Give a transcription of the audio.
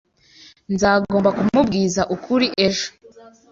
Nzagomba kumubwiza ukuri ejo.